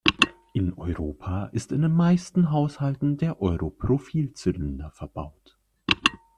In Europa ist in den meisten Haushalten der Euro-Profilzylinder verbaut.